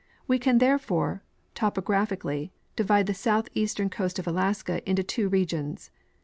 We can, therefore, topo graphically divide the southeastern coast of Alaska into two regions.